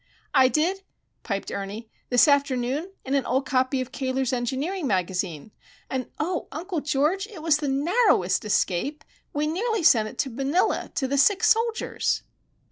"I did," piped Ernie; "this afternoon in an old copy of Cayler's Engineering Magazine. And, oh, Uncle George, it was the narrowest escape! We nearly sent it to Manila, to the sick soldiers!"